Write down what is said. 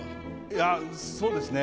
いやそうですね。